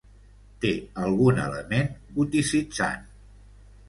Té algun element goticitzant.